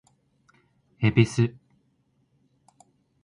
恵比寿